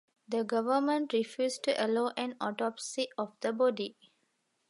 The government refused to allow an autopsy of the body.